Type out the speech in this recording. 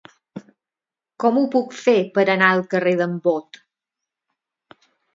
Com ho puc fer per anar al carrer d'en Bot?